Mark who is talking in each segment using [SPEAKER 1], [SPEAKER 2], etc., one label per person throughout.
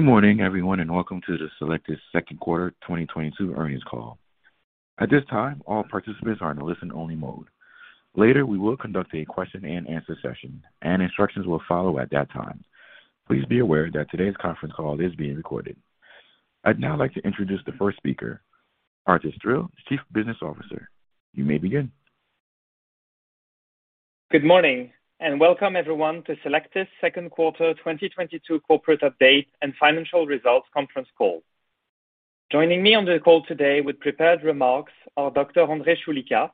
[SPEAKER 1] Good morning, everyone, and welcome to the Cellectis second quarter 2022 earnings call. At this time, all participants are in a listen-only mode. Later, we will conduct a question and answer session, and instructions will follow at that time. Please be aware that today's conference call is being recorded. I'd now like to introduce the first speaker, Arthur Stril, Chief Business Officer. You may begin.
[SPEAKER 2] Good morning, and welcome everyone to Cellectis second quarter 2022 corporate update and financial results conference call. Joining me on the call today with prepared remarks are Dr. André Choulika,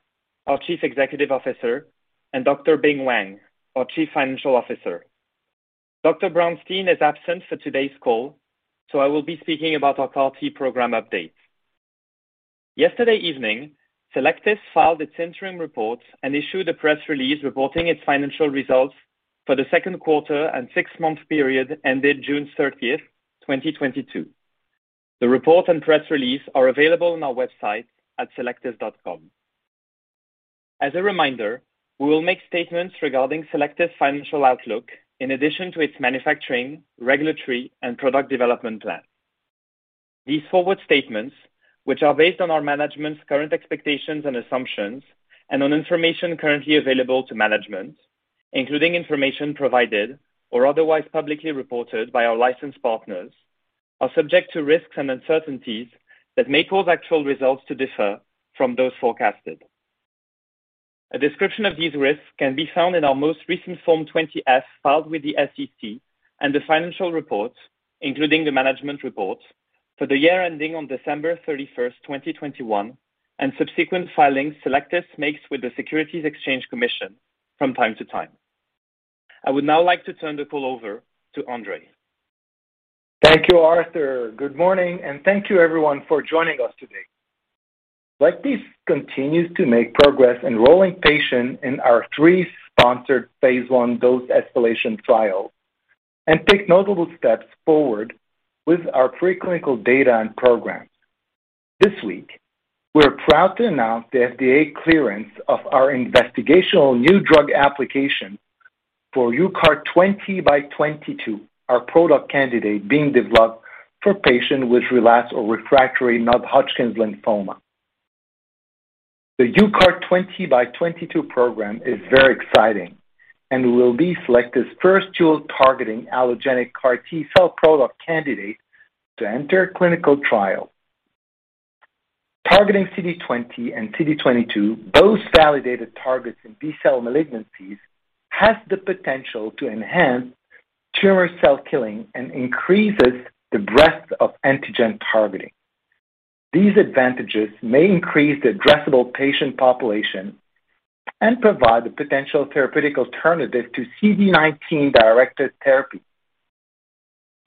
[SPEAKER 2] our Chief Executive Officer, and Dr. Bing Wang, our Chief Financial Officer. Dr. Brownstein is absent for today's call, so I will be speaking about our CAR T program updates. Yesterday evening, Cellectis filed its interim report and issued a press release reporting its financial results for the second quarter and six-month period ended June 30th, 2022. The report and press release are available on our website at cellectis.com. As a reminder, we will make statements regarding Cellectis' financial outlook in addition to its manufacturing, regulatory, and product development plans. These forward statements, which are based on our management's current expectations and assumptions and on information currently available to management, including information provided or otherwise publicly reported by our licensed partners, are subject to risks and uncertainties that may cause actual results to differ from those forecasted. A description of these risks can be found in our most recent Form 20-F filed with the SEC and the financial report, including the management report for the year ending on December 31st, 2021, and subsequent filings Cellectis makes with the Securities and Exchange Commission from time to time. I would now like to turn the call over to André.
[SPEAKER 3] Thank you, Arthur. Good morning, and thank you everyone for joining us today. Cellectis continues to make progress enrolling patients in our three sponsored phase I dose escalation trials and take notable steps forward with our preclinical data and programs. This week, we're proud to announce the FDA clearance of our investigational new drug application for UCART20x22, our product candidate being developed for patients with relapsed or refractory non-Hodgkin lymphoma. The UCART20x22 program is very exciting and will be Cellectis' first dual targeting allogeneic CAR T-cell product candidate to enter clinical trial. Targeting CD20 and CD22, both validated targets in B-cell malignancies, has the potential to enhance tumor cell killing and increases the breadth of antigen targeting. These advantages may increase the addressable patient population and provide a potential therapeutic alternative to CD19-directed therapy.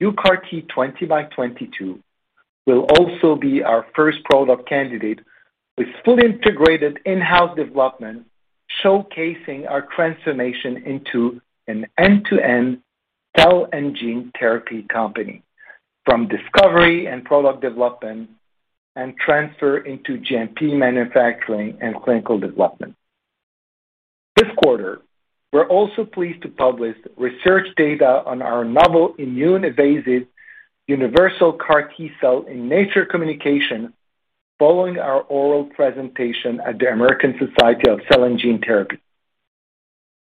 [SPEAKER 3] UCART20x22 will also be our first product candidate with fully integrated in-house development, showcasing our transformation into an end-to-end cell and gene therapy company from discovery and product development and transfer into GMP manufacturing and clinical development. This quarter, we're also pleased to publish research data on our novel immune-evasive universal CAR T-cell in Nature Communications following our oral presentation at the American Society of Gene & Cell Therapy.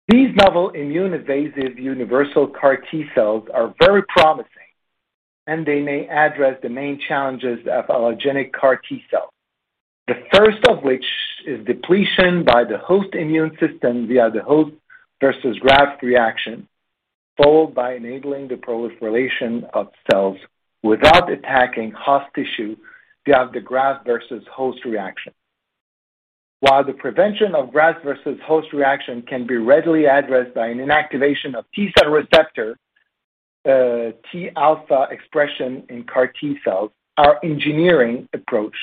[SPEAKER 3] These novel immune-evasive universal CAR T-cells are very promising, and they may address the main challenges of allogeneic CAR T-cell. The first of which is depletion by the host immune system via the host versus graft reaction, followed by enabling the proliferation of cells without attacking host tissue via the graft versus host reaction. While the prevention of graft-versus-host disease can be readily addressed by an inactivation of T-cell receptor TCR alpha expression in CAR T-cells, our engineering approach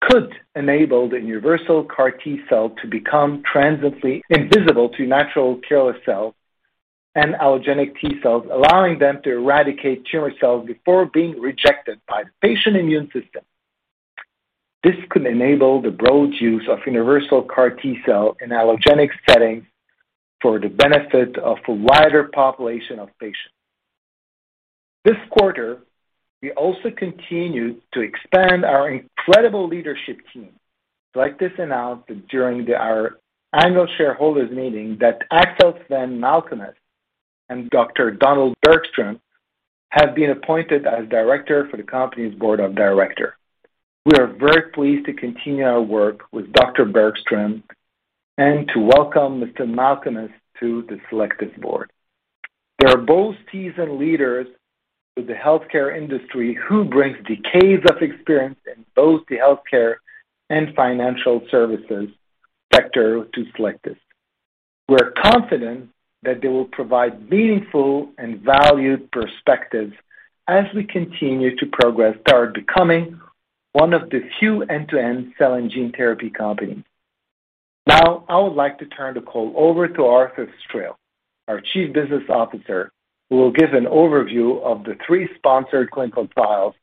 [SPEAKER 3] could enable the universal CAR T-cell to become transiently invisible to natural killer cells and allogeneic T-cells, allowing them to eradicate tumor cells before being rejected by the patient's immune system. This could enable the broad use of universal CAR T-cell in allogeneic settings for the benefit of a wider population of patients. This quarter, we also continued to expand our incredible leadership team. Cellectis announced that during our annual shareholders meeting that Axel-Sven Malkomes and Dr. Donald Bergstrom have been appointed as directors for the company's board of directors. We are very pleased to continue our work with Dr. Bergstrom and to welcome Mr. Malkomes to the Cellectis board. They are both seasoned leaders with the healthcare industry who brings decades of experience in both the healthcare and financial services sector to Cellectis. We're confident that they will provide meaningful and valued perspectives as we continue to progress toward becoming one of the few end-to-end cell and gene therapy companies. Now, I would like to turn the call over to Arthur Stril, our Chief Business Officer, who will give an overview of the three sponsored clinical trials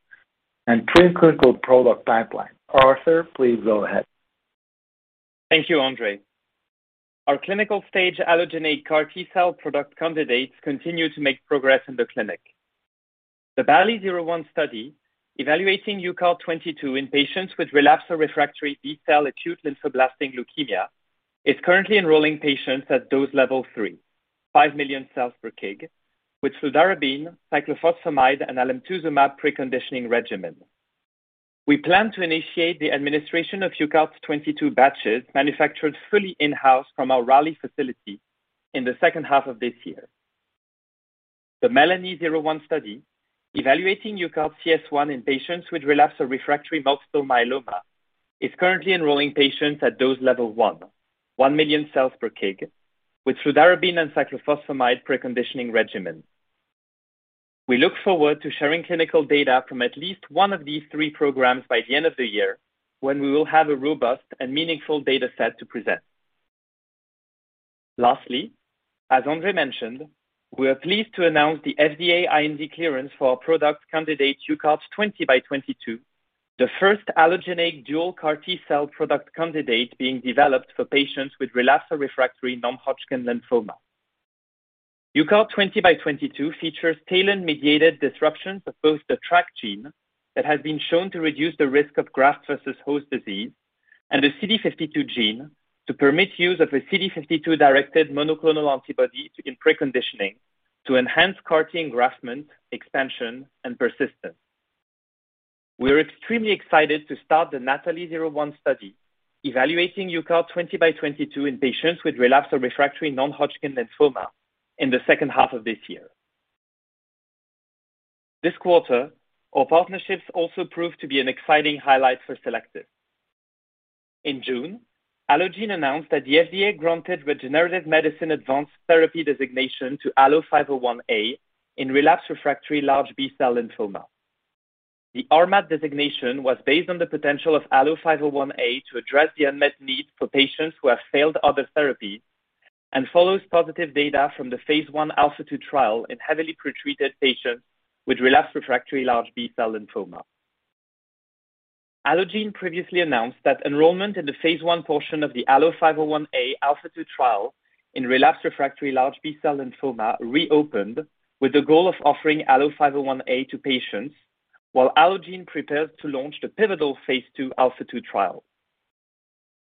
[SPEAKER 3] and preclinical product pipeline. Arthur, please go ahead.
[SPEAKER 2] Thank you, André. Our clinical-stage allogeneic CAR T-cell product candidates continue to make progress in the clinic. The BALLI-01 study evaluating UCART22 in patients with relapsed or refractory B-cell acute lymphoblastic leukemia is currently enrolling patients at dose level three, 5 million cells per kg, with fludarabine, cyclophosphamide, and alemtuzumab preconditioning regimen. We plan to initiate the administration of UCART22 batches manufactured fully in-house from our Raleigh facility in the second half of this year. The MELANI-01 study evaluating UCARTCS1 in patients with relapsed or refractory multiple myeloma is currently enrolling patients at dose level one, 1 million cells per kg, with fludarabine and cyclophosphamide preconditioning regimen. We look forward to sharing clinical data from at least one of these three programs by the end of the year when we will have a robust and meaningful data set to present. Lastly, as André mentioned, we are pleased to announce the FDA IND clearance for our product candidate UCART20x22, the first allogeneic dual CAR T-cell product candidate being developed for patients with relapsed or refractory non-Hodgkin lymphoma. UCART20x22 features TALEN-mediated disruptions of both the TRAC gene that has been shown to reduce the risk of graft-versus-host disease and the CD52 gene to permit use of a CD52 directed monoclonal antibody in preconditioning to enhance CAR T engraftment, expansion, and persistence. We are extremely excited to start the NATHALI-01 study evaluating UCART20x22 in patients with relapsed or refractory non-Hodgkin lymphoma in the second half of this year. This quarter, our partnerships also proved to be an exciting highlight for Cellectis. In June, Allogene announced that the FDA granted Regenerative Medicine Advanced Therapy designation to ALLO-501A in relapsed refractory large B-cell lymphoma. The RMAT designation was based on the potential of ALLO-501A to address the unmet need for patients who have failed other therapies and follows positive data from the phase I ALPHA2 trial in heavily pretreated patients with relapsed refractory large B-cell lymphoma. Allogene previously announced that enrollment in the phase I portion of the ALLO-501A ALPHA2 trial in relapsed refractory large B-cell lymphoma reopened with the goal of offering ALLO-501A to patients while Allogene prepares to launch the pivotal phase II ALPHA2 trial.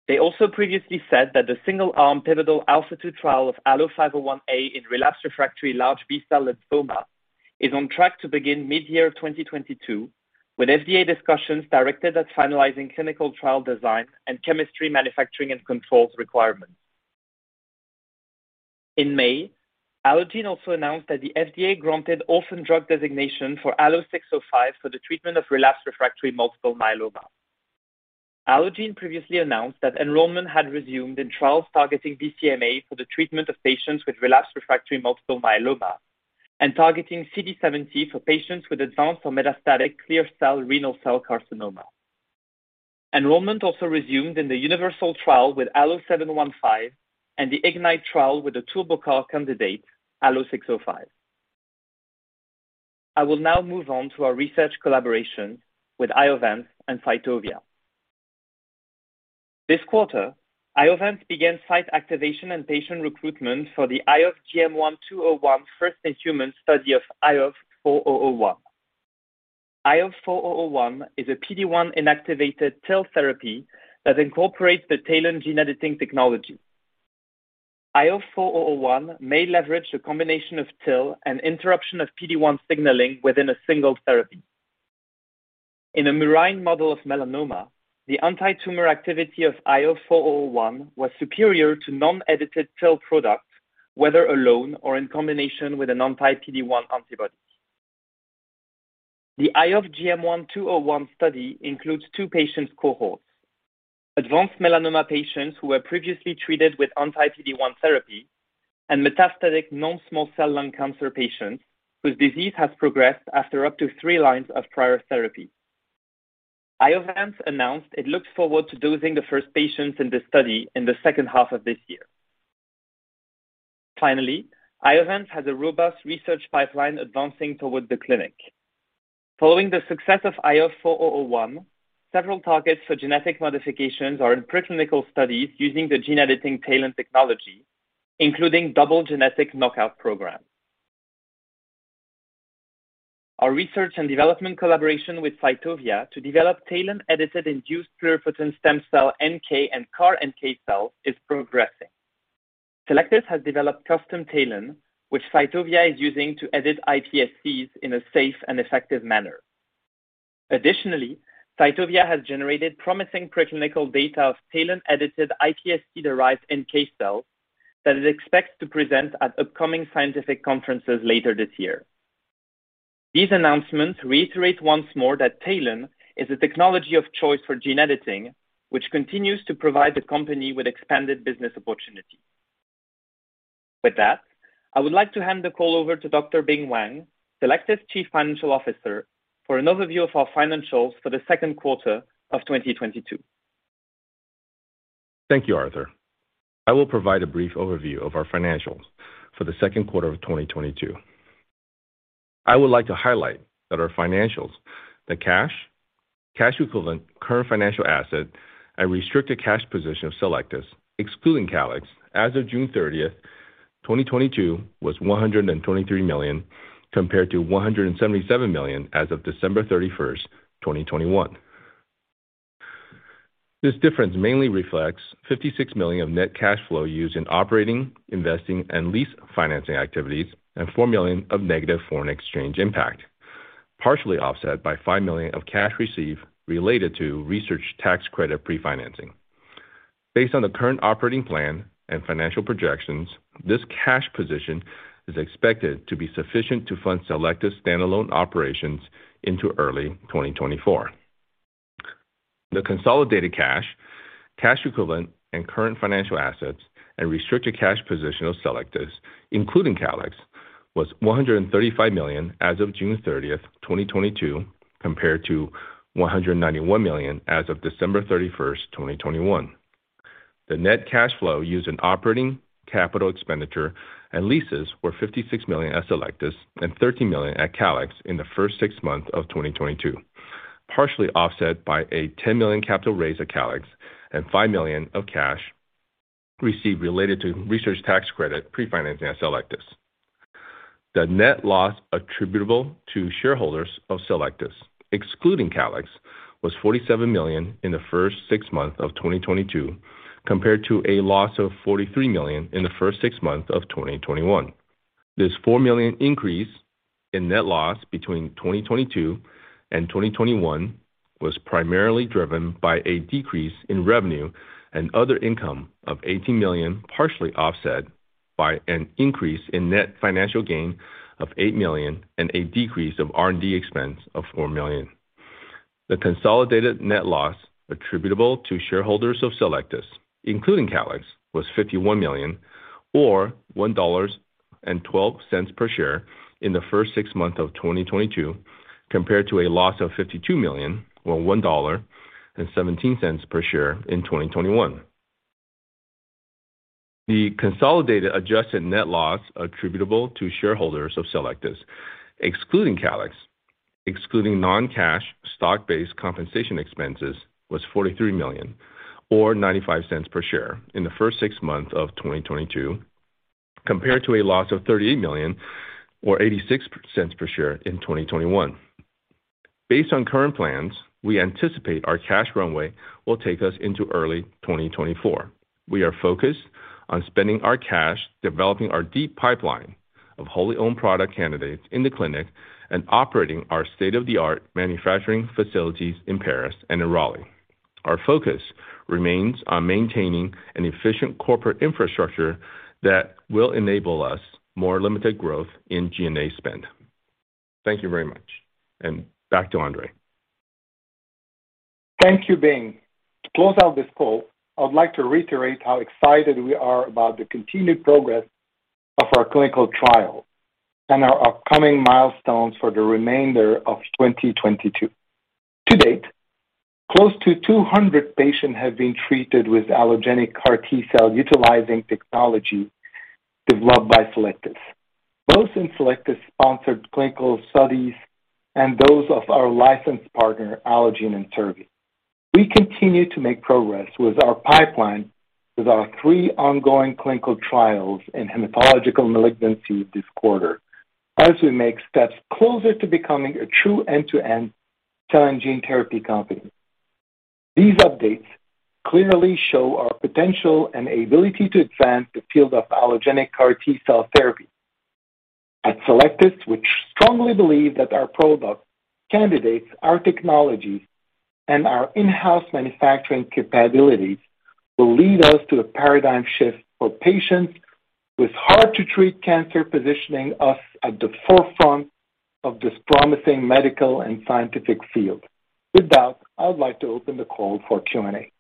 [SPEAKER 2] They also previously said that the single-arm pivotal ALPHA2 trial of ALLO-501A in relapsed refractory large B-cell lymphoma is on track to begin mid-year 2022, with FDA discussions directed at finalizing clinical trial design and chemistry manufacturing and controls requirements. In May, Allogene also announced that the FDA granted Orphan Drug Designation for ALLO-605 for the treatment of relapsed refractory multiple myeloma. Allogene previously announced that enrollment had resumed in trials targeting BCMA for the treatment of patients with relapsed refractory multiple myeloma and targeting CD70 for patients with advanced or metastatic clear cell renal cell carcinoma. Enrollment also resumed in the universal trial with ALLO-715 and the IGNITE trial with the TurboCAR candidate, ALLO-605. I will now move on to our research collaboration with Iovance and Cytovia. This quarter, Iovance began site activation and patient recruitment for the IOV-GM1-201 first in human study of IOV-4001. IOV-4001 is a PD-1 inactivated TIL therapy that incorporates the TALEN gene editing technology. IOV-4001 may leverage a combination of TIL and interruption of PD-1 signaling within a single therapy. In a murine model of melanoma, the antitumor activity of IOV-4001 was superior to non-edited TIL product, whether alone or in combination with an anti-PD-1 antibody. The IOV-GM1-201 study includes two patient cohorts. Advanced melanoma patients who were previously treated with anti-PD-1 therapy and metastatic non-small cell lung cancer patients whose disease has progressed after up to three lines of prior therapy. Iovance announced it looks forward to dosing the first patients in the study in the second half of this year. Finally, Iovance has a robust research pipeline advancing toward the clinic. Following the success of IOV-4001, several targets for genetic modifications are in preclinical studies using the gene editing TALEN technology, including double genetic knockout program. Our research and development collaboration with Cytovia to develop TALEN-edited induced pluripotent stem cell NK and CAR NK cells is progressing. Cellectis has developed custom TALEN, which Cytovia is using to edit iPSCs in a safe and effective manner. Additionally, Cytovia has generated promising preclinical data of TALEN-edited iPSC-derived NK cells that it expects to present at upcoming scientific conferences later this year. These announcements reiterate once more that TALEN is a technology of choice for gene editing, which continues to provide the company with expanded business opportunities. With that, I would like to hand the call over to Dr. Bing Wang, Cellectis Chief Financial Officer, for an overview of our financials for the second quarter of 2022.
[SPEAKER 4] Thank you, Arthur. I will provide a brief overview of our financials for the second quarter of 2022. I would like to highlight that our financials, the cash equivalent, current financial asset, and restricted cash position of Cellectis excluding Calyxt as of June 30th, 2022 was 123 million compared to 177 million as of December 31st, 2021. This difference mainly reflects 56 million of net cash flow used in operating, investing, and lease financing activities and 4 million of negative foreign exchange impact, partially offset by 5 million of cash received related to research tax credit pre-financing. Based on the current operating plan and financial projections, this cash position is expected to be sufficient to fund Cellectis standalone operations into early 2024. The consolidated cash equivalent and current financial assets and restricted cash position of Cellectis, including Calyxt, was 135 million as of June 30, 2022, compared to 191 million as of December 31st, 2021. The net cash flow used in operating capital expenditure and leases were 56 million at Cellectis and 30 million at Calyxt in the first six months of 2022, partially offset by a 10 million capital raise at Calyxt and 5 million of cash received related to research tax credit pre-financing at Cellectis. The net loss attributable to shareholders of Cellectis, excluding Calyxt, was 47 million in the first six months of 2022, compared to a loss of 43 million in the first six months of 2021. This 4 million increase in net loss between 2022 and 2021 was primarily driven by a decrease in revenue and other income of 18 million, partially offset by an increase in net financial gain of 8 million and a decrease of R&D expense of 4 million. The consolidated net loss attributable to shareholders of Cellectis, including Calyxt, was EUR 51 million or $1.12 per share in the first six months of 2022, compared to a loss of 52 million, or $1.17 per share in 2021. The consolidated adjusted net loss attributable to shareholders of Cellectis, excluding Calyxt, excluding non-cash stock-based compensation expenses, was 43 million or $0.95 per share in the first six months of 2022, compared to a loss of 38 million or $0.86 per share in 2021. Based on current plans, we anticipate our cash runway will take us into early 2024. We are focused on spending our cash, developing our deep pipeline of wholly owned product candidates in the clinic, and operating our state-of-the-art manufacturing facilities in Paris and in Raleigh. Our focus remains on maintaining an efficient corporate infrastructure that will enable us more limited growth in G&A spend. Thank you very much, and back to André.
[SPEAKER 3] Thank you, Bing. To close out this call, I would like to reiterate how excited we are about the continued progress of our clinical trial and our upcoming milestones for the remainder of 2022. To date, close to 200 patients have been treated with allogeneic CAR T-cell utilizing technology developed by Cellectis, both in Cellectis sponsored clinical studies and those of our licensed partner, Allogene and Servier. We continue to make progress with our pipeline with our three ongoing clinical trials in hematological malignancy this quarter as we make steps closer to becoming a true end-to-end cell and gene therapy company. These updates clearly show our potential and ability to advance the field of allogeneic CAR T-cell therapy. At Cellectis, we strongly believe that our product candidates, our technologies, and our in-house manufacturing capabilities will lead us to a paradigm shift for patients with hard-to-treat cancer, positioning us at the forefront of this promising medical and scientific field. With that, I would like to open the call for Q&A.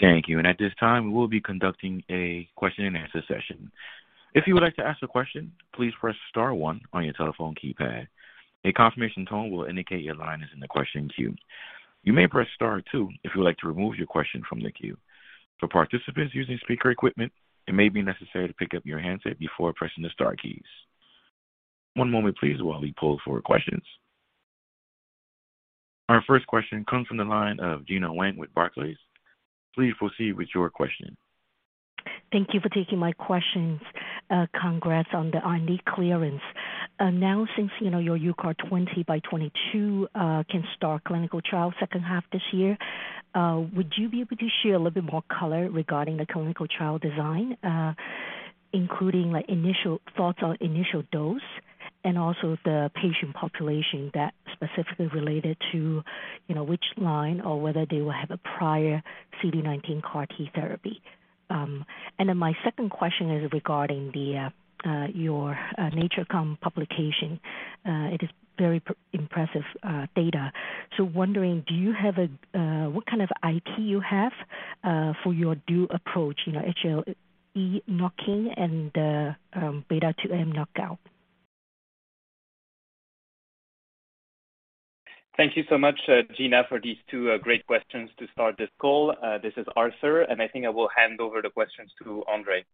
[SPEAKER 1] Thank you. At this time, we will be conducting a question-and-answer session. If you would like to ask a question, please press star one on your telephone keypad. A confirmation tone will indicate your line is in the question queue. You may press star two if you would like to remove your question from the queue. For participants using speaker equipment, it may be necessary to pick up your handset before pressing the star keys. One moment please while we pull for questions. Our first question comes from the line of Gena Wang with Barclays. Please proceed with your question.
[SPEAKER 5] Thank you for taking my questions. Congrats on the IND clearance. Announcing, you know, your UCART20x22 can start clinical trial second half this year. Would you be able to share a little bit more color regarding the clinical trial design, including like initial thoughts on initial dose and also the patient population that specifically related to, you know, which line or whether they will have a prior CD19 CAR T therapy? And then my second question is regarding the your Nature Communications publication. It is very impressive data. So wondering, do you have a what kind of IP you have for your new approach? You know, HLA-E knockout and beta-2-M knockout.
[SPEAKER 2] Thank you so much, Gena, for these two great questions to start this call. This is Arthur, and I think I will hand over the questions to André.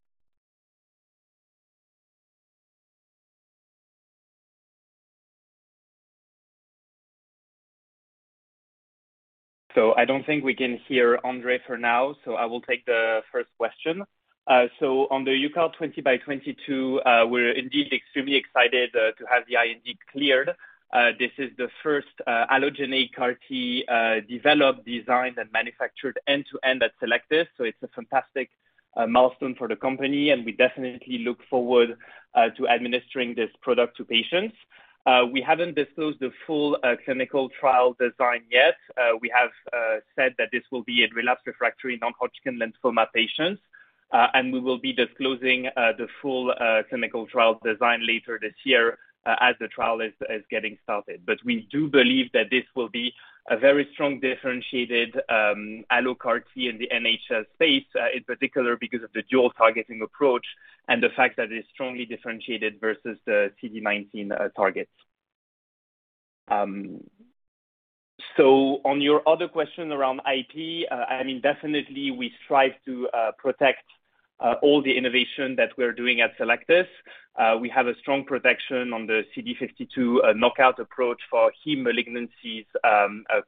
[SPEAKER 2] I don't think we can hear André for now, so I will take the first question. On the UCART20x22, we're indeed extremely excited to have the IND cleared. This is the first allogeneic CAR T, developed, designed, and manufactured end-to-end at Cellectis, so it's a fantastic milestone for the company, and we definitely look forward to administering this product to patients. We haven't disclosed the full clinical trial design yet. We have said that this will be in relapsed refractory non-Hodgkin lymphoma patients. We will be disclosing the full clinical trial design later this year as the trial is getting started. We do believe that this will be a very strong differentiated allo CAR-T in the NHL space, in particular because of the dual targeting approach and the fact that it's strongly differentiated versus the CD19 targets. So on your other question around IP, I mean, definitely we strive to protect all the innovation that we're doing at Cellectis. We have a strong protection on the CD52 knockout approach for heme malignancies,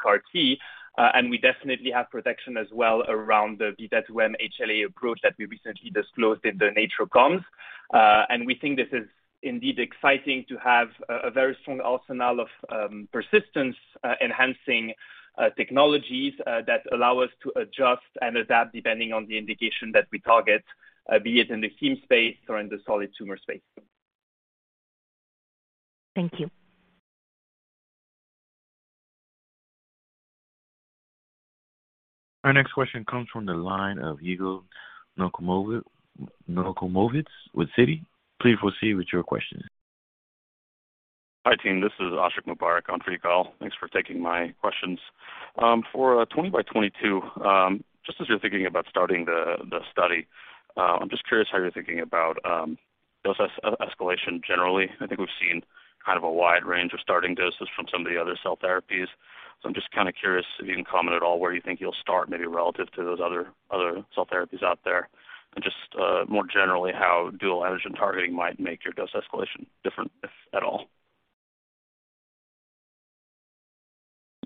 [SPEAKER 2] CAR-T, and we definitely have protection as well around the B2M HLA approach that we recently disclosed in the Nature Communications. We think this is indeed exciting to have a very strong arsenal of persistence enhancing technologies that allow us to adjust and adapt depending on the indication that we target, be it in the heme space or in the solid tumor space.
[SPEAKER 5] Thank you.
[SPEAKER 1] Our next question comes from the line of Yigal Nachomovitz with Citi. Please proceed with your question.
[SPEAKER 6] Hi, team. This is Ashik Mubarak on for your call. Thanks for taking my questions. For UCART20x22, just as you're thinking about starting the study, I'm just curious how you're thinking about dose escalation generally. I think we've seen kind of a wide range of starting doses from some of the other cell therapies. I'm just kind of curious if you can comment at all where you think you'll start, maybe relative to those other cell therapies out there. Just more generally, how dual allogeneic targeting might make your dose escalation different, if at all.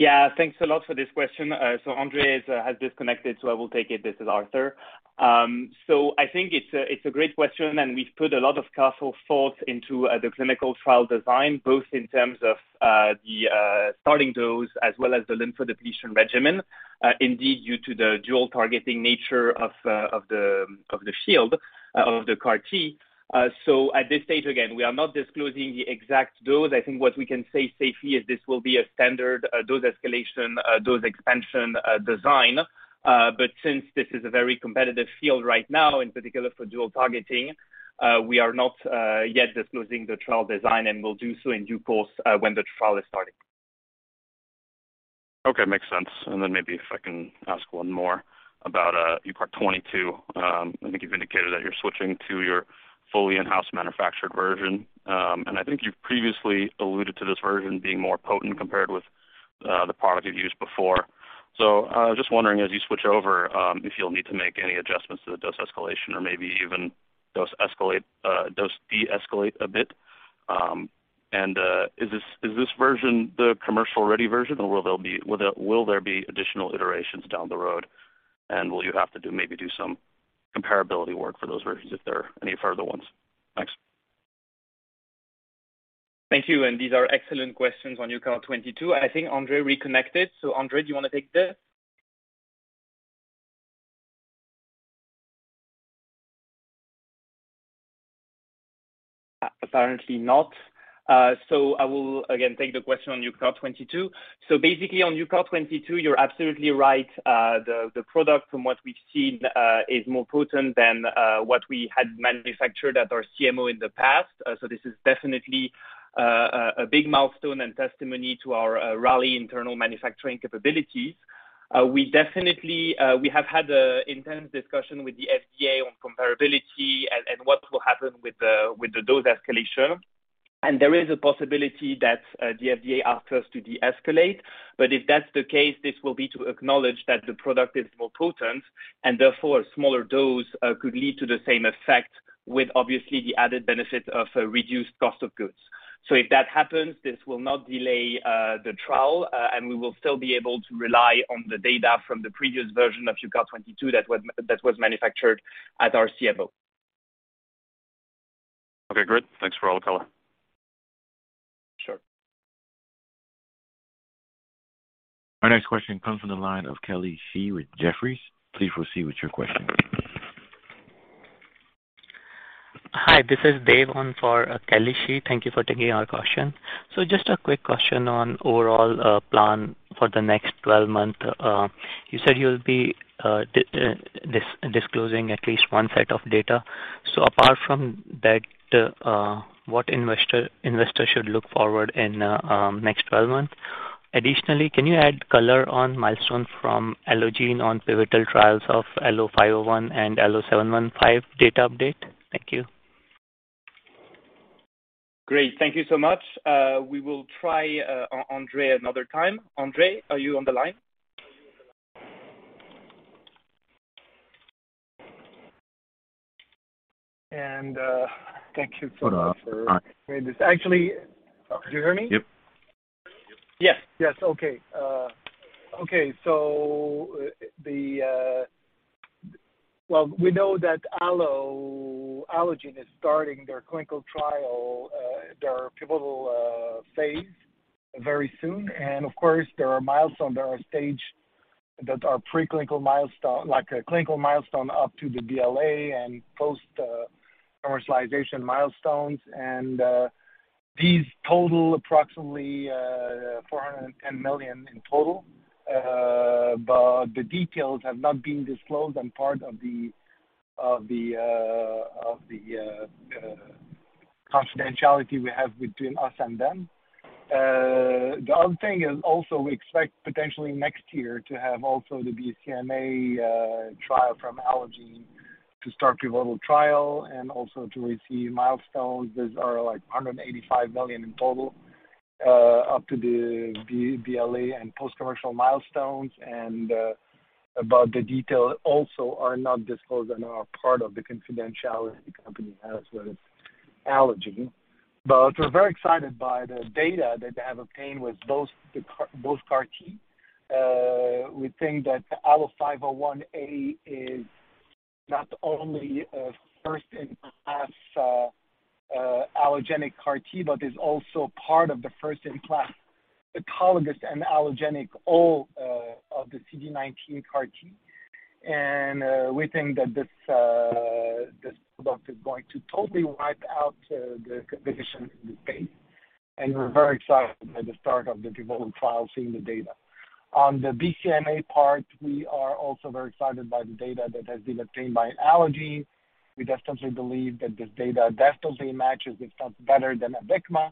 [SPEAKER 2] Yeah. Thanks a lot for this question. André has disconnected, so I will take it. This is Arthur. I think it's a great question, and we've put a lot of careful thought into the clinical trial design, both in terms of the starting dose as well as the lymph depletion regimen, indeed due to the dual targeting nature of the shield of the CAR-T. At this stage, again, we are not disclosing the exact dose. I think what we can say safely is this will be a standard dose escalation, dose expansion design. Since this is a very competitive field right now, in particular for dual targeting, we are not yet disclosing the trial design, and we'll do so in due course, when the trial is starting.
[SPEAKER 6] Okay. Makes sense. Maybe if I can ask one more about UCART22. I think you've indicated that you're switching to your fully in-house manufactured version. I think you've previously alluded to this version being more potent compared with the product you've used before. Just wondering as you switch over, if you'll need to make any adjustments to the dose escalation or maybe even dose de-escalate a bit. Is this version the commercially ready version, or will there be additional iterations down the road? Will you have to do, maybe do some comparability work for those versions if there are any further ones? Thanks.
[SPEAKER 2] Thank you, these are excellent questions on UCART22. I think André reconnected. André, do you wanna take this? Apparently not. I will again take the question on UCART22. Basically on UCART22, you're absolutely right. The product from what we've seen is more potent than what we had manufactured at our CMO in the past. This is definitely a big milestone and testimony to our Raleigh internal manufacturing capabilities. We definitely have had an intense discussion with the FDA on comparability and what will happen with the dose escalation. There is a possibility that the FDA asks us to de-escalate. If that's the case, this will be to acknowledge that the product is more potent, and therefore a smaller dose could lead to the same effect with obviously the added benefit of a reduced cost of goods. If that happens, this will not delay the trial, and we will still be able to rely on the data from the previous version of UCART22 that was manufactured at our CMO.
[SPEAKER 6] Okay, great. Thanks for all the color.
[SPEAKER 2] Sure.
[SPEAKER 1] Our next question comes from the line of Kelly Shi with Jefferies. Please proceed with your question.
[SPEAKER 7] Hi, this is Dave on for Kelly Shi. Thank you for taking our question. Just a quick question on overall plan for the next 12 months. You said you'll be disclosing at least one set of data. Apart from that, what investor should look forward in next 12 months? Additionally, can you add color on milestone from Allogene on pivotal trials of ALLO-501 and ALLO-715 data update? Thank you.
[SPEAKER 2] Great. Thank you so much. We will try, André another time. André, are you on the line?
[SPEAKER 3] Thank you so much for this. Actually, do you hear me?
[SPEAKER 4] Yep.
[SPEAKER 2] Yes.
[SPEAKER 3] Well, we know that Allogene is starting their clinical trial, their pivotal phase very soon. Of course, there are milestones, stages that are preclinical milestones, like a clinical milestone up to the BLA and post-commercialization milestones. These total approximately 410 million in total. But the details have not been disclosed on the part of the confidentiality we have between us and them. The other thing is also we expect potentially next year to have also the BCMA trial from Allogene to start pivotal trial and also to receive milestones. These are like 185 million in total up to the BLA and post-commercial milestones. The details also are not disclosed and are part of the confidentiality the company has with Allogene. We're very excited by the data that they have obtained with both CAR-T. We think that ALLO-501A is not only a first-in-class, allogeneic CAR-T, but is also part of the first-in-class autologous and allogeneic all, of the CD19 CAR-T. We think that this product is going to totally wipe out the competition in this space. We're very excited by the start of the pivotal trial, seeing the data. On the BCMA part, we are also very excited by the data that has been obtained by Allogene. We definitely believe that this data definitely matches, if not better than Abecma.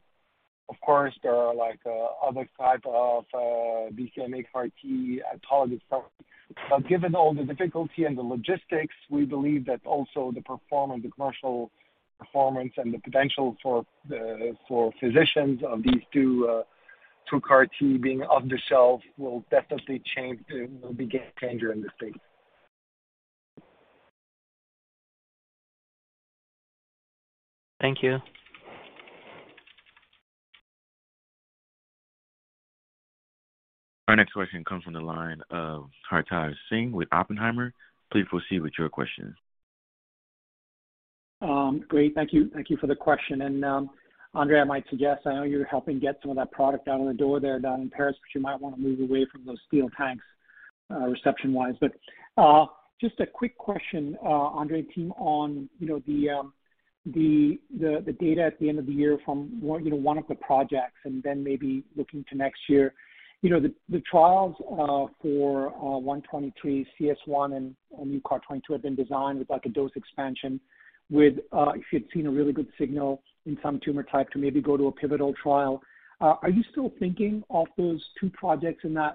[SPEAKER 3] Of course, there are like, other type of, BCMA CAR-T autologous products. Given all the difficulty and the logistics, we believe that also the performance, the commercial performance and the potential for physicians of these two CAR-T being on the shelf will definitely change, will be a game changer in this space.
[SPEAKER 7] Thank you.
[SPEAKER 1] Our next question comes from the line of Hartaj Singh with Oppenheimer. Please proceed with your question.
[SPEAKER 8] Great. Thank you for the question. André, I might suggest, I know you're helping get some of that product out the door there down in Paris, but you might want to move away from those steel tanks, reception-wise. Just a quick question, André and team, on, you know, the data at the end of the year from one, you know, one of the projects and then maybe looking to next year. You know, the trials for UCART123, UCARTCS1 and UCART22 have been designed with like a dose expansion with if you'd seen a really good signal in some tumor type to maybe go to a pivotal trial. Are you still thinking of those two projects in that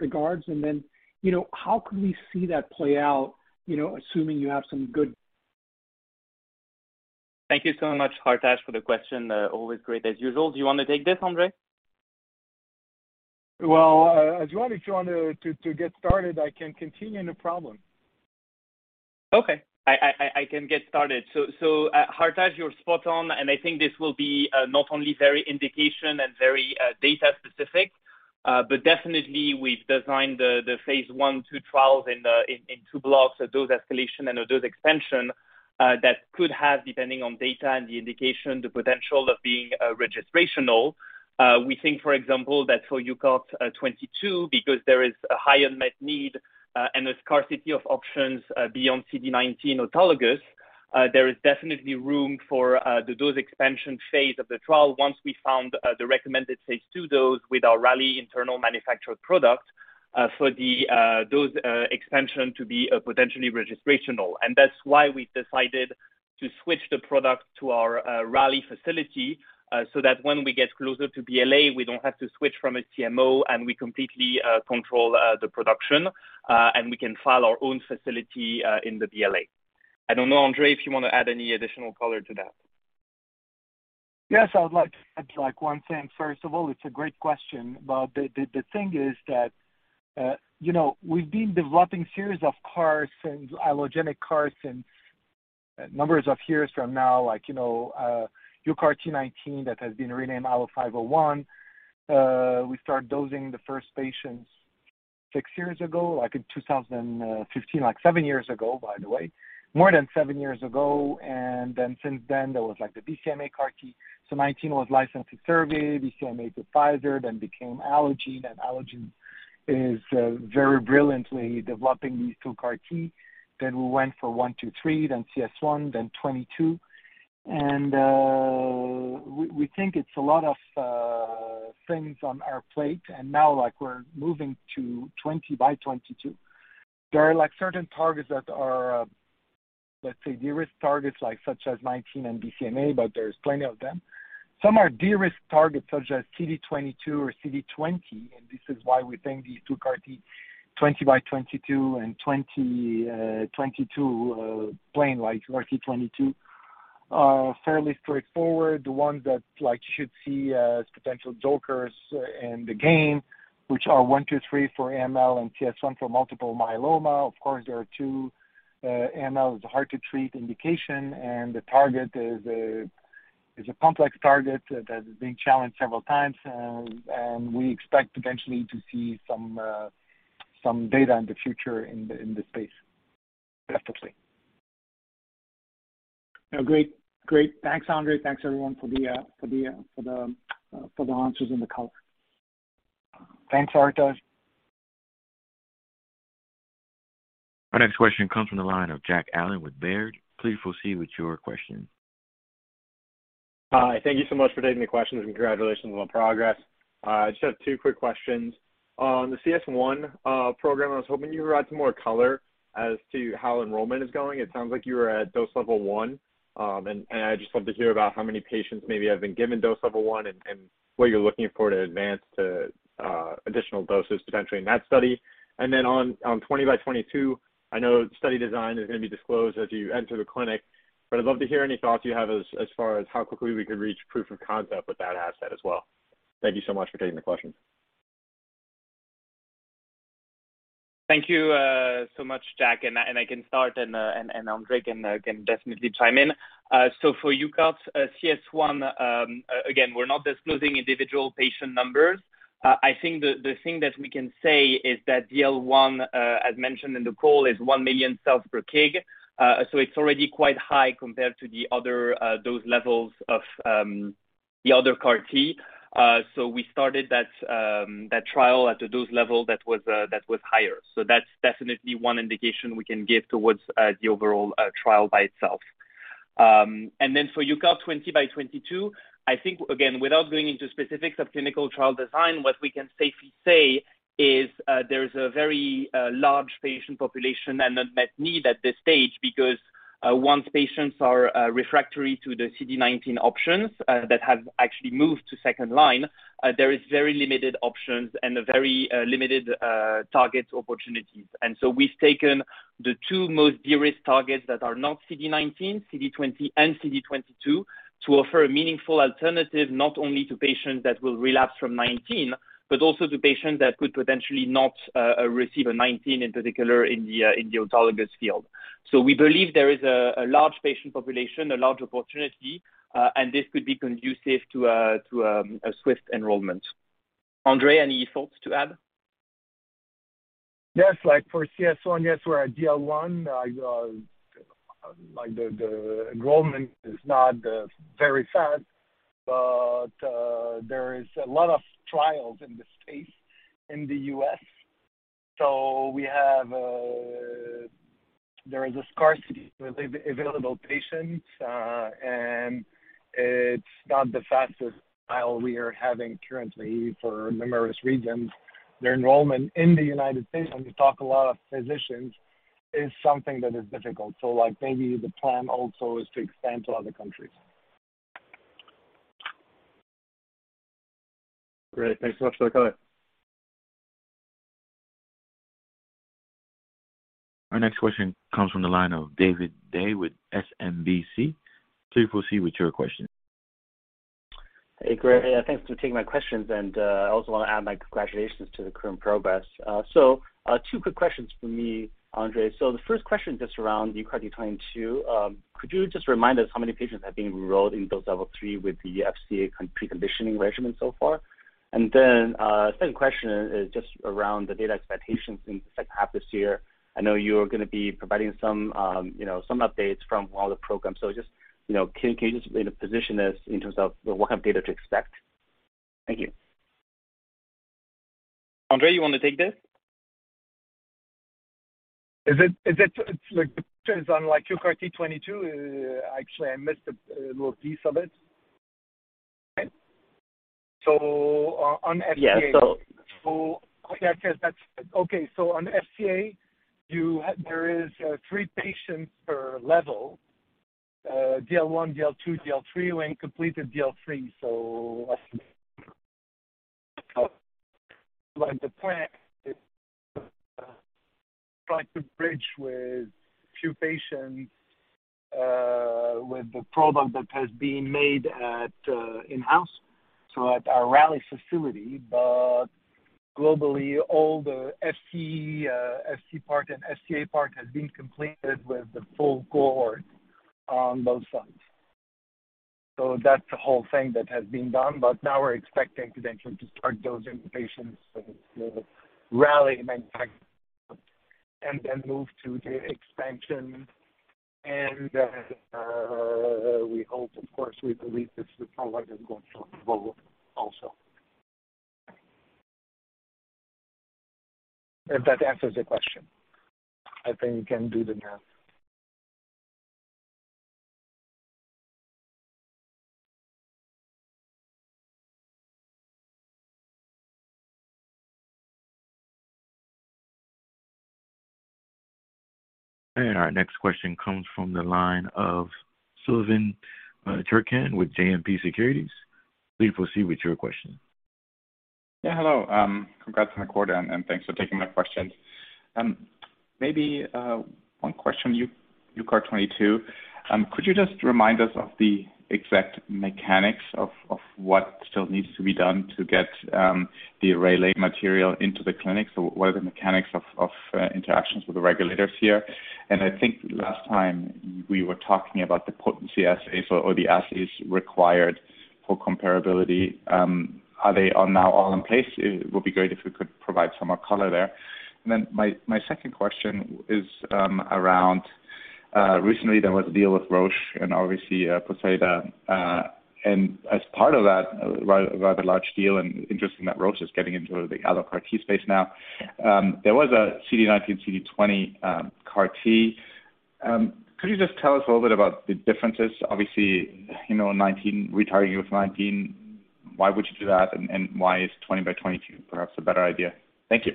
[SPEAKER 8] regard? You know, how could we see that play out, you know, assuming you have some good-
[SPEAKER 2] Thank you so much, Hartaj, for the question. Always great as usual. Do you want to take this, André?
[SPEAKER 3] Well, Arthur Stril, if you want to get started, I can continue. No problem.
[SPEAKER 2] Okay. I can get started. Hartaj, you're spot on, and I think this will be not only very indication-specific and very data-specific, but definitely we've designed the phase I/II trials in two blocks, a dose escalation and a dose expansion, that could have, depending on data and the indication, the potential of being registrational. We think, for example, that for UCART22, because there is a high unmet need and a scarcity of options beyond CD19 autologous, there is definitely room for the dose expansion phase of the trial once we found the recommended phase II dose with our Raleigh internal manufactured product, for the dose expansion to be potentially registrational. That's why we decided to switch the product to our Raleigh facility so that when we get closer to BLA, we don't have to switch from a CMO and we completely control the production and we can file our own facility in the BLA. I don't know, André, if you want to add any additional color to that.
[SPEAKER 3] Yes, I would like to add, like, one thing. First of all, it's a great question. The thing is that, you know, we've been developing a series of CAR T's, allogeneic CAR-T's for a number of years now, like, you know, UCART19 that has been renamed ALLO-501. We started dosing the first patients six years ago, like in 2015, like seven years ago, by the way, more than seven years ago. Then since then, there was like the BCMA CAR-T. So UCART19 was licensed to Servier, BCMA to Pfizer, then became Allogene, and Allogene is very brilliantly developing these two CAR-T. We went for UCART123, then UCARTCS1, then UCART22. We think it's a lot of things on our plate, and now, like, we're moving to UCART20x22. There are, like, certain targets that are, let's say, de-risk targets like such as CD19 and BCMA, but there's plenty of them. Some are de-risked targets such as CD22 or CD20, and this is why we think these two UCART20x22 and UCART22 are fairly straightforward. The ones that, like, we see as potential jokers in the game, which are UCART123 for AML and UCARTCS1 for multiple myeloma. Of course, there are two. AML is a hard to treat indication, and the target is a complex target that has been challenged several times. We expect eventually to see some data in the future in this space effectively.
[SPEAKER 8] Great. Thanks, André. Thanks, everyone, for the answers and the color.
[SPEAKER 3] Thanks, Hartaj.
[SPEAKER 1] Our next question comes from the line of Jack Allen with Baird. Please proceed with your question.
[SPEAKER 9] Hi. Thank you so much for taking the questions, and congratulations on progress. I just have two quick questions. On the UCARTCS1 program, I was hoping you could add some more color as to how enrollment is going. It sounds like you are at dose level one. I just love to hear about how many patients maybe have been given dose level one and what you're looking for to advance to additional doses potentially in that study. On UCART20x22, I know study design is going to be disclosed as you enter the clinic, but I'd love to hear any thoughts you have as far as how quickly we could reach proof of concept with that asset as well. Thank you so much for taking the questions.
[SPEAKER 2] Thank you so much, Jack, and I can start and André can definitely chime in. For UCARTCS1, again, we're not disclosing individual patient numbers. I think the thing that we can say is that DL 1, as mentioned in the call, is 1 million cells per kg. It's already quite high compared to the other dose levels of the other CAR T. We started that trial at a dose level that was higher. That's definitely one indication we can give towards the overall trial by itself. For UCART20x22, I think, again, without going into specifics of clinical trial design, what we can safely say is, there is a very large patient population and unmet need at this stage because, once patients are refractory to the CD19 options that have actually moved to second line, there is very limited options and a very limited target opportunities. We've taken the two most de-risked targets that are not CD19, CD20 and CD22, to offer a meaningful alternative not only to patients that will relapse from CD19 but also to patients that could potentially not receive a CD19 in particular in the autologous field. We believe there is a large patient population, a large opportunity, and this could be conducive to a swift enrollment. André, any thoughts to add?
[SPEAKER 3] Yes. Like for UCARTCS1, yes, we're at DL 1. Like the enrollment is not very fast, but there is a lot of trials in the space in the U.S. There is a scarcity with available patients, and it's not the fastest trial we are having currently for numerous reasons. The enrollment in the United States, when we talk to a lot of physicians, is something that is difficult. Like maybe the plan also is to expand to other countries.
[SPEAKER 9] Great. Thanks so much for the color.
[SPEAKER 1] Our next question comes from the line of David Day with SMBC. Please proceed with your question.
[SPEAKER 10] Hey, great. Thanks for taking my questions. I also want to add my congratulations to the current progress. So, two quick questions from me, André. The first question just around the UCART22. Could you just remind us how many patients have been enrolled in those level three with the FCA preconditioning regimen so far? Then, second question is just around the data expectations in the second half this year. I know you're gonna be providing some, you know, some updates from all the programs. So just, you know, can you just maybe position us in terms of what kind of data to expect? Thank you.
[SPEAKER 2] André, you want to take this?
[SPEAKER 3] Is it like pictures on like UCART22? Actually, I missed a little piece of it. On FCA-
[SPEAKER 2] Yeah.
[SPEAKER 3] I guess that's. Okay, on FCA, there is three patients per level, DL 1, DL 2, DL 3. We completed DL 3. Like the plan is to try to bridge with few patients with the product that has been made at in-house, so at our Raleigh facility. Globally all the FC part and FCA part has been completed with the full cohort on both sides. That's the whole thing that has been done. Now we're expecting to then to start dosing patients with the Raleigh manufactured, and then move to the expansion. We hope, of course, we believe this is the product that's going forward also. If that answers the question. I think you can do the math.
[SPEAKER 1] Our next question comes from the line of Silvan Türkcan with JMP Securities. Please proceed with your question.
[SPEAKER 11] Yeah, hello. Congrats on the quarter, and thanks for taking my questions. Maybe one question, your UCART22. Could you just remind us of the exact mechanics of what still needs to be done to get the ALLO material into the clinic? So what are the mechanics of interactions with the regulators here? And I think last time we were talking about the potency assays or the assays required for comparability, are they now all in place? It would be great if you could provide some more color there. Then my second question is around recently there was a deal with Roche and obviously Poseida. As part of that rather large deal and interesting that Roche is getting into the allo CAR T space now, there was a CD19, CD20 CAR T. Could you just tell us a little bit about the differences? Obviously, you know, CD19 retargeting with CD19, why would you do that and why is CD20x22 perhaps a better idea? Thank you.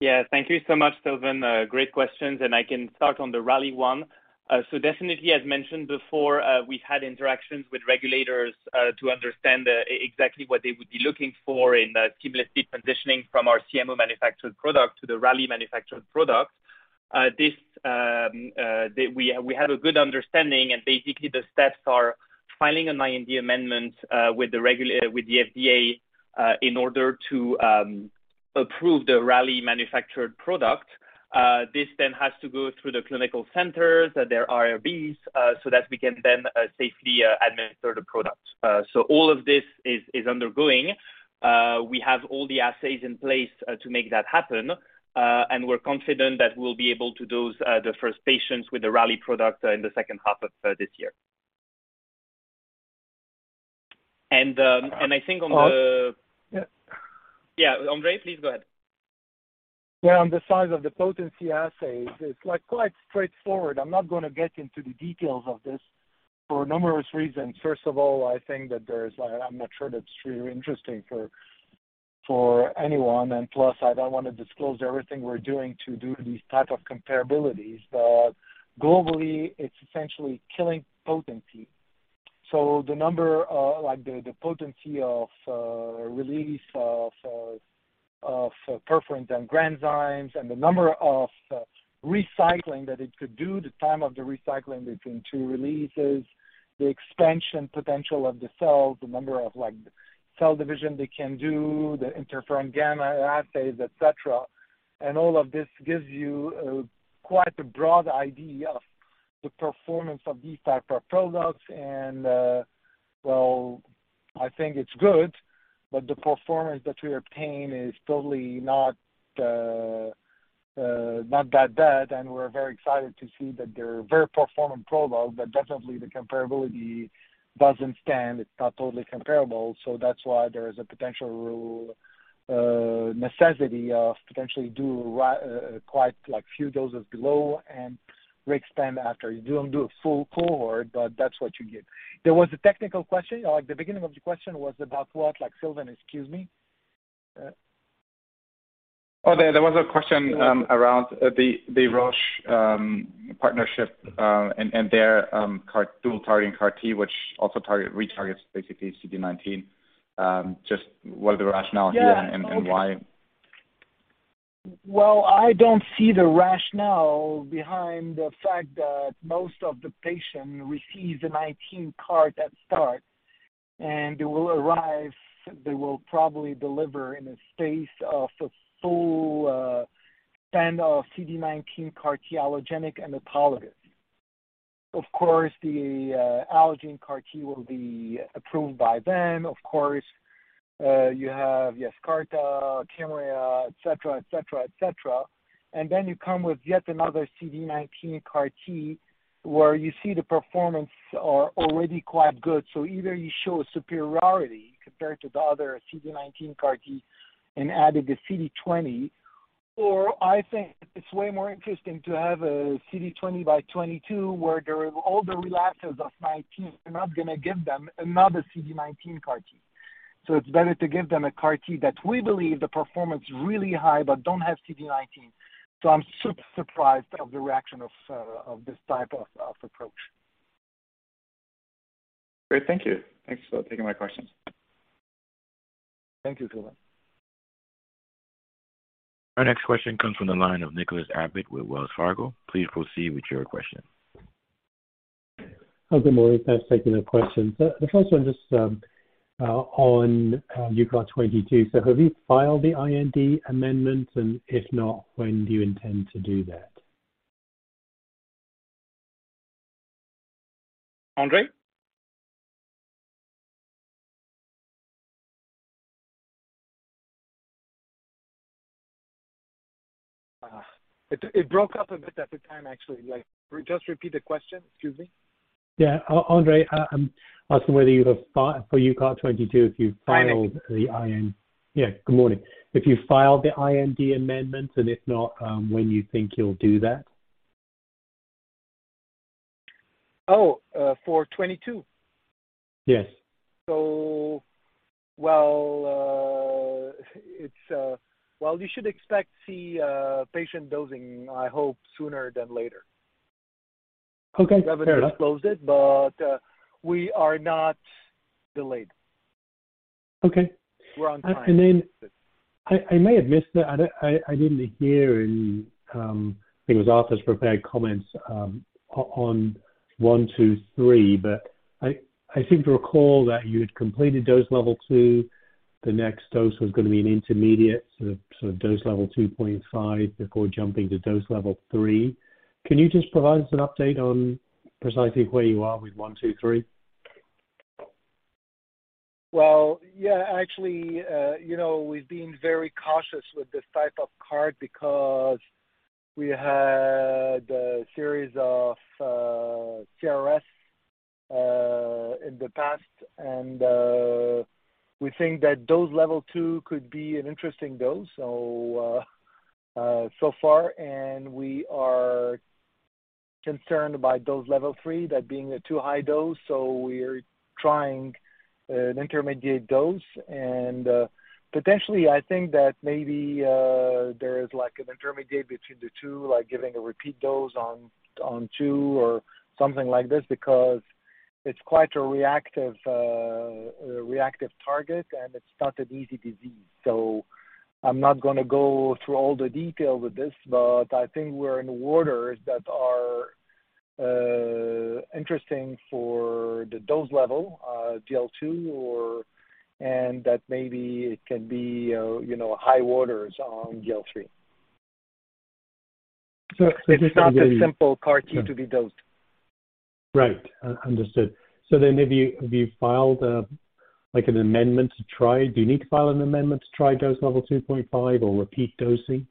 [SPEAKER 2] Yeah. Thank you so much, Silvan. Great questions, and I can start on the Raleigh one. Definitely as mentioned before, we had interactions with regulators to understand exactly what they would be looking for in a seamless transition from our CMO manufactured product to the Raleigh manufactured product. We have a good understanding, and basically the steps are filing an IND amendment with the FDA in order to approve the Raleigh manufactured product. This then has to go through the clinical centers and their IRBs so that we can then safely administer the product. All of this is undergoing. We have all the assays in place to make that happen, and we're confident that we'll be able to dose the first patients with the Raleigh product in the second half of this year. I think on the...
[SPEAKER 3] Uh-
[SPEAKER 2] Yeah. Yeah, André, please go ahead.
[SPEAKER 3] Yeah, on the size of the potency assays, it's like quite straightforward. I'm not gonna get into the details of this for numerous reasons. First of all, I think that I'm not sure that's really interesting for anyone. Plus, I don't want to disclose everything we're doing to do these type of comparabilities. Globally, it's essentially killing potency. The number, like the potency of release of perforin and granzymes and the number of recycling that it could do, the time of the recycling between two releases, the expansion potential of the cell, the number of like cell division they can do, the interferon gamma assays, et cetera. All of this gives you quite a broad idea of the performance of these type of products. Well, I think it's good, but the performance that we obtain is totally not that bad, and we're very excited to see that they're very performing products. Definitely the comparability doesn't stand. It's not totally comparable. That's why there is a potential necessity of potentially quite like few doses below and re-expand after you do them, do a full cohort, but that's what you get. There was a technical question. Like, the beginning of the question was about what? Like, Silvan, excuse me.
[SPEAKER 11] Oh, there was a question around the Roche partnership and their CAR dual targeting CAR T, which also retargets basically CD19. Just what is the rationale here?
[SPEAKER 3] Yeah.
[SPEAKER 11] Why?
[SPEAKER 3] Well, I don't see the rationale behind the fact that most of the patient receives a CD19 CAR T at start, and they will arrive, they will probably deliver in a space of a full span of CD19 CAR T allogeneic and autologous. Of course, the allogeneic CAR T will be approved by then. Of course, you have Yescarta, Kymriah, et cetera. Then you come with yet another CD19 CAR T, where you see the performance are already quite good. Either you show superiority compared to the other CD19 CAR T and added a CD20, or I think it's way more interesting to have a CD20x22 whereas all the relapses of CD19 are not gonna give them another CD19 CAR T. It's better to give them a CAR T that we believe the performance really high but don't have CD19. I'm super surprised of the reaction of this type of approach.
[SPEAKER 11] Great. Thank you. Thanks for taking my questions.
[SPEAKER 3] Thank you, Silvan.
[SPEAKER 1] Our next question comes from the line of Nicholas Abbate with Wells Fargo. Please proceed with your question.
[SPEAKER 12] Oh, good morning. Thanks for taking the questions. The first one just on UCART22. Have you filed the IND amendment? If not, when do you intend to do that?
[SPEAKER 2] Andre?
[SPEAKER 3] It broke up a bit at the time, actually. Like, just repeat the question. Excuse me.
[SPEAKER 12] Yeah, André, I'm asking whether you have filed for UCART22.
[SPEAKER 3] Hi, Nick.
[SPEAKER 12] Yeah. Good morning. If you filed the IND amendment, and if not, when you think you'll do that?
[SPEAKER 3] Oh, for UCART22?
[SPEAKER 12] Yes.
[SPEAKER 3] Well, you should expect to see patient dosing, I hope, sooner than later.
[SPEAKER 12] Okay, fair enough.
[SPEAKER 3] We haven't disclosed it, but we are not delayed.
[SPEAKER 12] Okay.
[SPEAKER 3] We're on time.
[SPEAKER 12] I may have missed it. I didn't hear. I think it was in Arthur's prepared comments on UCART123, but I seem to recall that you had completed dose level two. The next dose was gonna be an intermediate, so dose level two point five before jumping to dose level three. Can you just provide us an update on precisely where you are with UCART123?
[SPEAKER 3] Well, yeah, actually, you know, we've been very cautious with this type of CAR because we had a series of CRS in the past, and we think that dose level two could be an interesting dose. So far, we are concerned by dose level three, that being a too high dose. We're trying an intermediate dose. Potentially, I think that maybe there is like an intermediate between the two, like giving a repeat dose on two or something like this because it's quite a reactive target, and it's not an easy disease. I'm not gonna go through all the detail with this, but I think we're in waters that are interesting for the dose level DL 2 or that maybe it can be, you know, high waters on DL 3.
[SPEAKER 12] So-
[SPEAKER 3] It's not a simple CAR T to be dosed.
[SPEAKER 12] Right. Understood. Have you filed, like, an amendment to IND? Do you need to file an amendment to IND dose level tow point five or repeat dosing?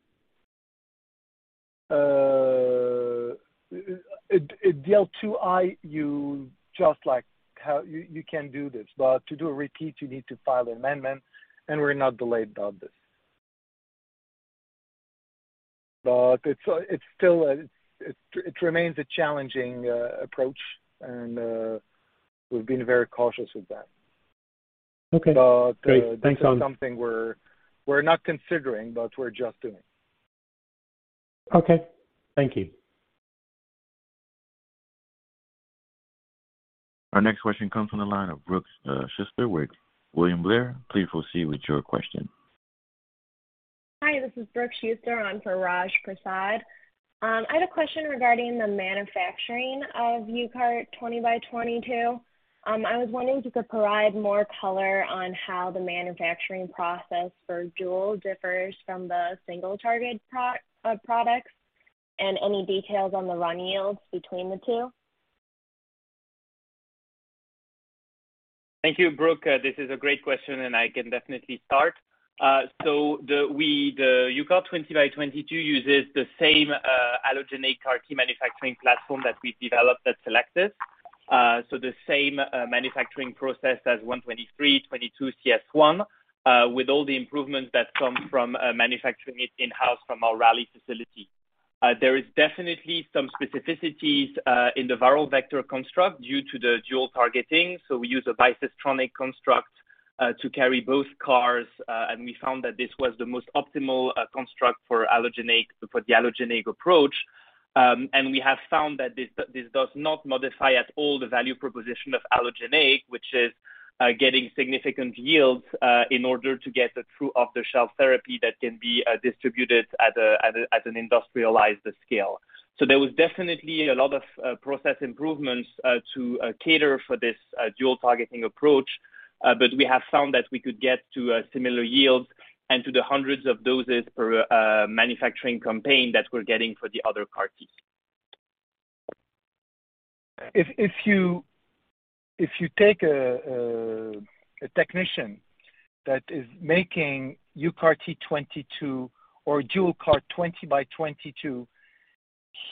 [SPEAKER 3] DL 2I, you just like how you can do this. To do a repeat, you need to file an amendment, and we're not delayed on this. It's still a challenging approach and we've been very cautious with that.
[SPEAKER 12] Okay.
[SPEAKER 3] But, uh-
[SPEAKER 12] Great. Thanks, André.
[SPEAKER 3] This is something we're not considering, but we're just doing.
[SPEAKER 12] Okay. Thank you.
[SPEAKER 1] Our next question comes from the line of Brooke Schuster with William Blair. Please proceed with your question.
[SPEAKER 13] Hi, this is Brooke Schuster on for Raju Prasad. I had a question regarding the manufacturing of UCART20x22. I was wondering if you could provide more color on how the manufacturing process for dual differs from the single target products and any details on the run yields between the two.
[SPEAKER 2] Thank you, Brooke. This is a great question, and I can definitely start. The UCART20x22 uses the same allogeneic CAR T manufacturing platform that we developed at Cellectis. The same manufacturing process as UCART123, UCART22, UCARTCS1, with all the improvements that come from manufacturing it in-house from our Raleigh facility. There is definitely some specificities in the viral vector construct due to the dual targeting. We use a bicistronic construct to carry both CARs, and we found that this was the most optimal construct for the allogeneic approach. We have found that this does not modify at all the value proposition of allogeneic, which is getting significant yields in order to get a true off-the-shelf therapy that can be distributed at an industrialized scale. There was definitely a lot of process improvements to cater for this dual targeting approach. We have found that we could get to similar yields and to the hundreds of doses per manufacturing campaign that we're getting for the other CAR Ts.
[SPEAKER 3] If you take a technician that is making UCART22 or UCART20x22,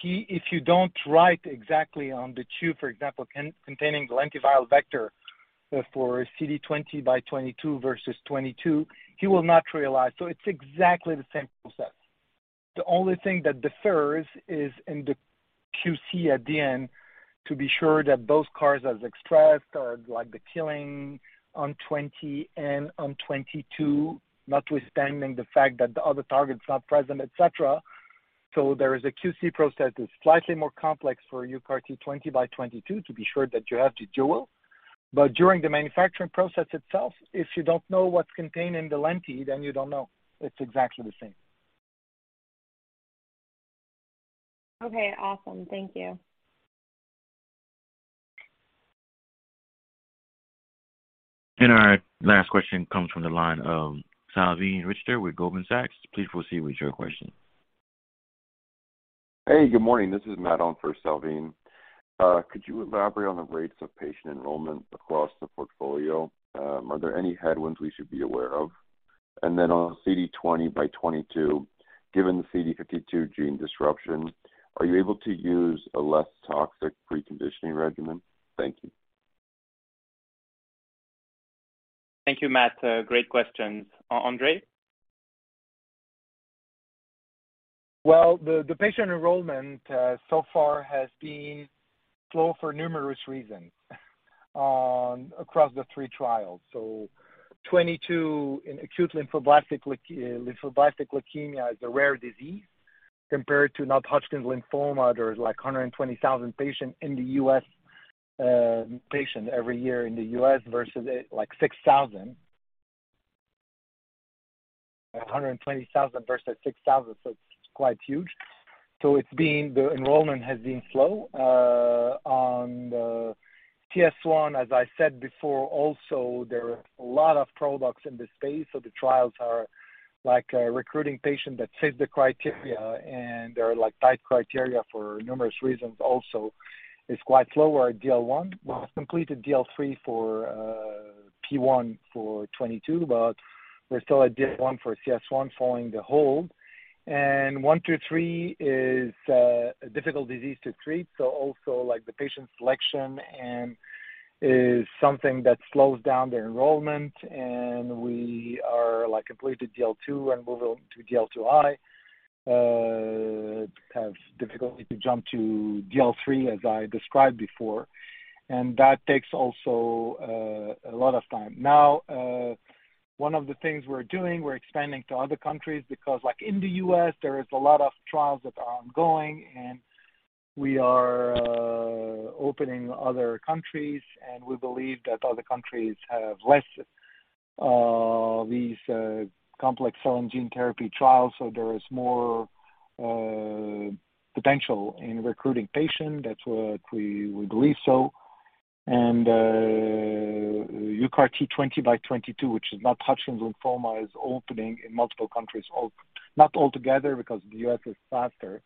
[SPEAKER 3] if you don't write exactly on the tube, for example, containing the lentiviral vector for CD20x22 versus CD22, he will not realize. It's exactly the same process. The only thing that differs is in the QC at the end to be sure that both CARs as expressed are like the killing on 20 and on22, notwithstanding the fact that the other target's not present, etc. There is a QC process that's slightly more complex for UCART20x22 to be sure that you have the dual. But during the manufacturing process itself, if you don't know what's contained in the lenti, then you don't know. It's exactly the same.
[SPEAKER 13] Okay, awesome. Thank you.
[SPEAKER 1] Our last question comes from the line of Salveen Richter with Goldman Sachs. Please proceed with your question.
[SPEAKER 14] Hey, good morning. This is Matt on for Salveen. Could you elaborate on the rates of patient enrollment across the portfolio? Are there any headwinds we should be aware of? On CD20x22, given the CD52 gene disruption, are you able to use a less toxic preconditioning regimen? Thank you.
[SPEAKER 2] Thank you, Matt. Great questions. André?
[SPEAKER 3] Patient enrollment so far has been slow for numerous reasons across the three trials. UCART22 in acute lymphoblastic leukemia is a rare disease compared to Non-Hodgkin lymphoma. There are like 120,000 patients in the U.S. every year versus like 6,000. 120,000 versus 6,000, so it's quite huge. The enrollment has been slow on the UCARTCS1, as I said before, also there are a lot of products in this space. The trials are recruiting patients that fit the criteria, and they are tight criteria for numerous reasons also. It's quite slow. Our DL 1 was completed, DL 3 for P1 for UCART22, but we're still at DL 1 for UCARTCS1 following the hold. UCART123 is a difficult disease to treat, so also like the patient selection and is something that slows down the enrollment. We are like completed DL 2 and moving to DL 2I. Have difficulty to jump to DL 3, as I described before. That takes also a lot of time. Now, one of the things we're doing, we're expanding to other countries because like in the U.S. there is a lot of trials that are ongoing and we are opening other countries and we believe that other countries have less these complex cell and gene therapy trials, so there is more potential in recruiting patients. That's what we believe so. UCART20x22, which is Non-Hodgkin lymphoma, is opening in multiple countries. Not altogether because the U.S. is faster,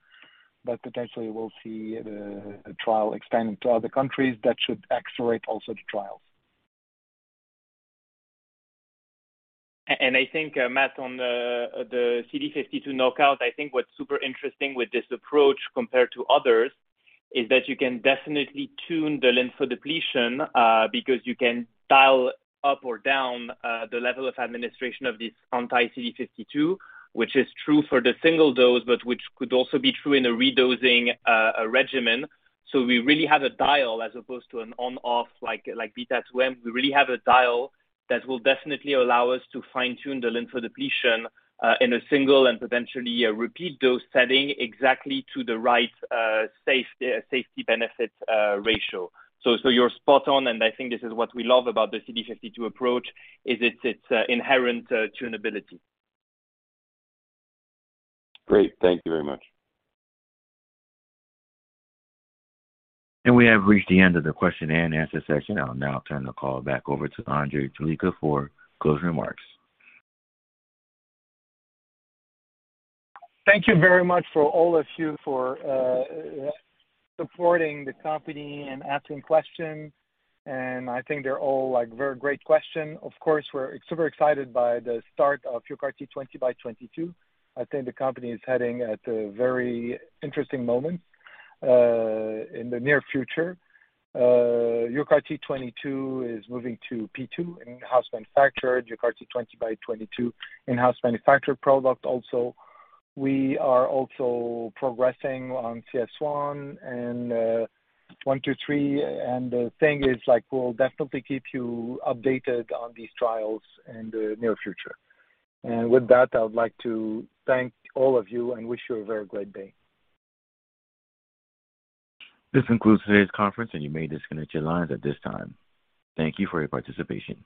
[SPEAKER 3] but potentially we'll see the trial expanding to other countries. That should accelerate also the trials.
[SPEAKER 2] I think, Matt, on the CD52 knockout, I think what's super interesting with this approach compared to others is that you can definitely tune the lymphodepletion, because you can dial up or down the level of administration of this anti-CD52, which is true for the single dose, but which could also be true in a redosing regimen. So we really have a dial as opposed to an on/off like B2M. We really have a dial that will definitely allow us to fine-tune the lymphodepletion in a single and potentially a repeat dose setting exactly to the right safety benefits ratio. So you're spot on, and I think this is what we love about the CD52 approach, is it's inherent tunability.
[SPEAKER 14] Great. Thank you very much.
[SPEAKER 1] We have reached the end of the question and answer session. I'll now turn the call back over to André Choulika for closing remarks.
[SPEAKER 3] Thank you very much for all of you for supporting the company and asking questions, and I think they're all like very great questions. Of course, we're super excited by the start of UCART20x22. I think the company is heading at a very interesting moment in the near future. UCART22 is moving to P2 in-house manufactured. UCART20x22 in-house manufactured product also. We are also progressing on UCARTCS1 and UCART123. The thing is like, we'll definitely keep you updated on these trials in the near future. With that, I would like to thank all of you and wish you a very great day.
[SPEAKER 1] This concludes today's conference, and you may disconnect your lines at this time. Thank you for your participation.